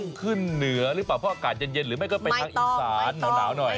ขึ้นเหนือหรือเปล่าเพราะอากาศเย็นหรือไม่ก็ไปทางอีสานหนาวหน่อย